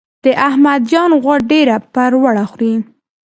د احمد جان غوا ډیره پروړه خوري.